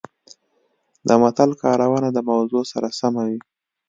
د متل کارونه د موضوع سره سمه وي